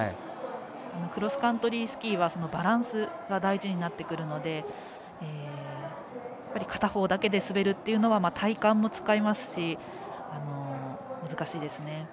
クロスカントリースキーはバランスが大事になってくるので片方だけで滑るというのは体幹も使いますし難しいですね。